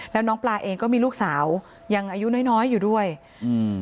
แล้วน้องปลาเองก็มีลูกสาวยังอายุน้อยน้อยอยู่ด้วยอืม